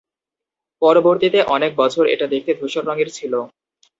পরবর্তীতে অনেক বছর এটা দেখতে ধূসর রঙের ছিল।